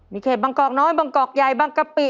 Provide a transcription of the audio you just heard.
มีเขตบางกอกน้อยบางกอกใหญ่บางกะปิ